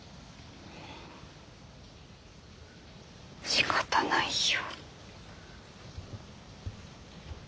しかたないよ。